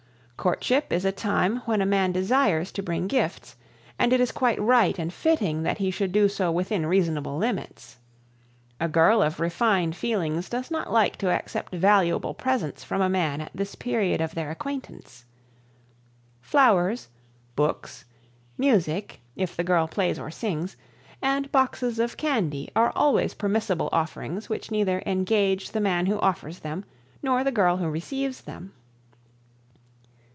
Courtship is a time when a man desires to bring gifts, and it is quite right and fitting that he should do so within reasonable limits. A girl of refined feelings does not like to accept valuable presents from a man at this period of their acquaintance. Flowers, books, music, if the girl plays or sings, and boxes of candy are always permissible offerings which neither engage the man who offers them nor the girl who receives them.